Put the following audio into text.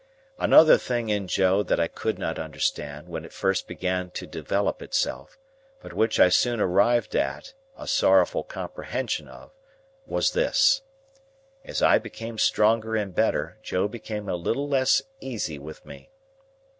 Another thing in Joe that I could not understand when it first began to develop itself, but which I soon arrived at a sorrowful comprehension of, was this: As I became stronger and better, Joe became a little less easy with me.